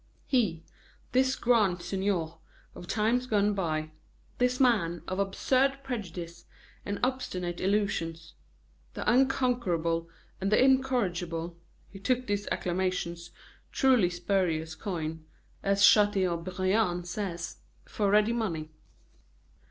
He, this grand seigneur of times gone by, this man of absurd prejudices and obstinate illusions; the unconquerable, and the incorrigible he took these acclamations, "truly spurious coin," as Chateaubriand says, for ready money.